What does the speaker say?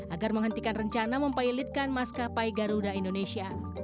agar menghentikan rencana mempilotkan maskapai garuda indonesia